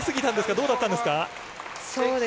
どうだったんですか？